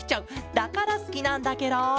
だからすきなんだケロ！